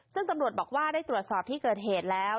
ซึ่งตำรวจบอกว่าได้ตรวจสอบที่เกิดเหตุแล้ว